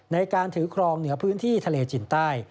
ในการถือครองเหนือพื้นที่ทะเลจินใต้